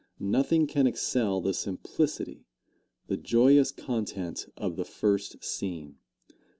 Nothing can excel the simplicity, the joyous content of the first scene.